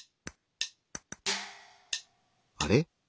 あれ？